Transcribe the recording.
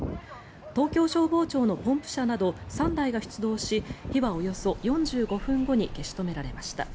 東京消防庁のポンプ車など３台が出動し火はおよそ４５分後に消し止められました。